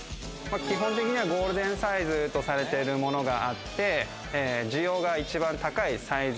基本的にはゴールデンサイズとされているものがあって、需要が一番高いサイズ。